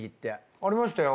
ありましたよ。